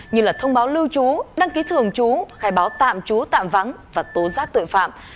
như là thông báo lưu trú đăng ký thường trú khai báo tạm trú tạm vắng và tố giác tội phạm